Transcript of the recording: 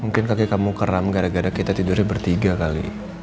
mungkin kaki kamu keram gara gara kita tidurnya bertiga kali